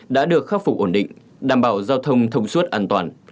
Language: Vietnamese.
đã được khắc phục ổn định đảm bảo giao thông thông suốt an toàn